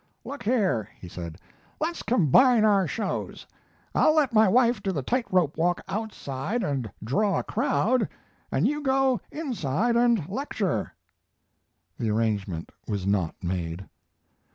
"Look here," he said. "Let's combine our shows. I'll let my wife do the tight rope act outside and draw a crowd, and you go inside and lecture." The arrangement was not made.